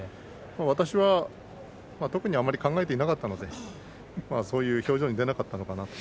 私は特にあまり考えていなかったのでそういう表情に出なかったのかなと。